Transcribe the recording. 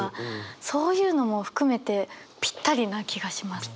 そういうのも含めてぴったりな気がします。